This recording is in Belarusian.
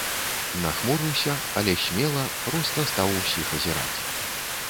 Нахмурыўся, але смела, проста стаў усіх азіраць.